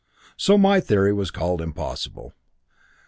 "So my theory was called impossible.